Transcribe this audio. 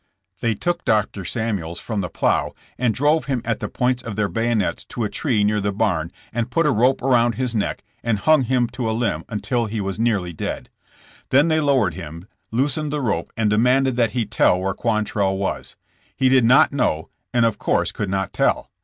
They took Dr. Samuels from the plough and drove him at the points of their bayonets to a tree near the barn and put a rope around his neck and hung him to a limb until he was nearly dead. Then they lowered him, loosened the rope, and demanded that he tell where Quantrell was. He did not know, and of course could not tell.